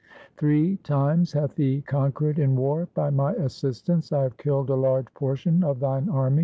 Three times hath he con quered in war by my assistance. I have killed a large portion of thine army.